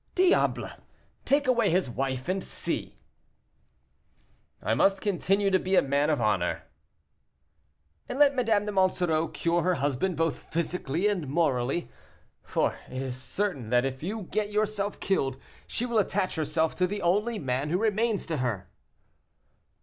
"Diable! Take away his wife and see." "I must continue to be a man of honor." "And let Madame de Monsoreau cure her husband both physically and morally. For it is certain that if you get yourself killed, she will attach herself to the only man who remains to her."